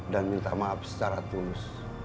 minta maaf secara tulus